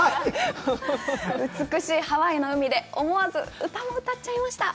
美しいハワイの海で思わず歌も歌っちゃいました。